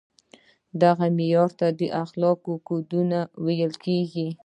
دغو معیارونو ته د اخلاقو کودونه ویل کیږي.